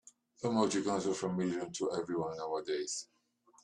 Emoticons are familiar to everyone nowadays.